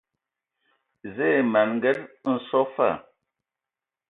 Zǝə ma n Nged nso fa.